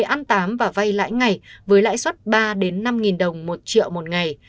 một mươi ăn tám và vay lãi ngày với lãi suất ba năm đồng một triệu một ngày